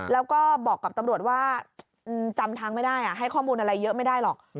แล้วก็บอกกับตำรวจว่าจำทางไม่ได้ให้ข้อมูลอะไรเยอะไม่ได้หรอก